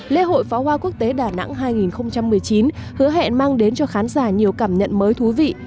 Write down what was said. lễ hội pháo hoa quốc tế đà nẵng hai nghìn một mươi chín hứa hẹn mang đến cho khán giả nhiều cảm nhận mới thú vị